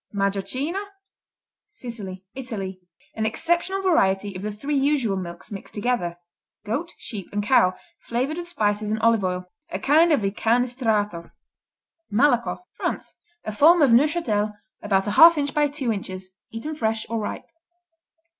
Majocchino Sicily, Italy An exceptional variety of the three usual milks mixed together: goat, sheep and cow, flavored with spices and olive oil. A kind of Incanestrato. Malakoff France A form of Neufchâtel about a half inch by two inches, eaten fresh or ripe.